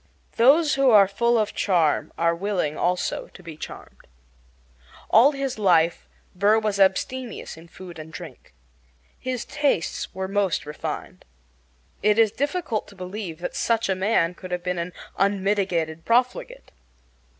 Those who are full of charm are willing also to be charmed. All his life Burr was abstemious in food and drink. His tastes were most refined. It is difficult to believe that such a man could have been an unmitigated profligate.